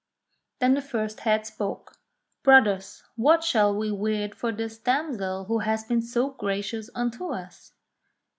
Then the first head spoke. "Brothers, what shall we weird for this damsel who has been so gracious unto us